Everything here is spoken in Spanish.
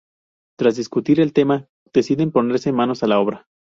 Tras discutir el tema, deciden ponerse manos a la obra.